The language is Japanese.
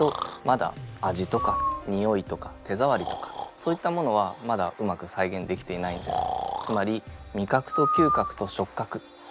まだ味とかにおいとか手ざわりとかそういったものはまだうまく再現できていないんです。